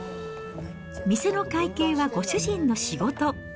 店の会計はご主人の仕事。